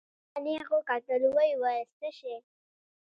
هغه راته نېغ وکتل ويې ويل څه شى.